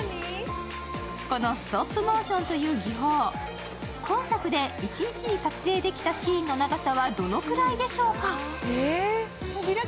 このストップモーションという技法、今作で一日に撮影できたシーンの長さはどれぐらいでしょうか？